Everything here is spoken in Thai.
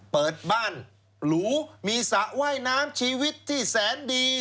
เปิดบ้านหรูมีสระว่ายน้ำชีวิตที่แสนดี